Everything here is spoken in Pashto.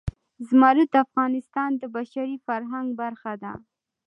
زمرد د افغانستان د بشري فرهنګ برخه ده.